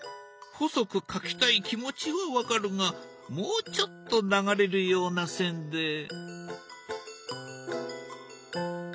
細く描きたい気持ちは分かるがもうちょっと流れるような線で。